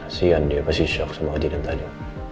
kasihan dia pasti shock sama haji dan tadiw